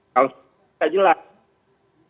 kalau tidak jelas